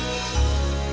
kok lama banget